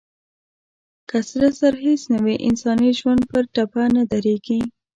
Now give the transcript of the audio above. که سره زر هېڅ نه وي، انساني ژوند پر ټپه نه درېږي.